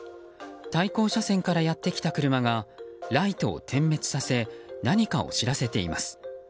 対向車線からやってきた車がライトを点滅させ何かを知らせています。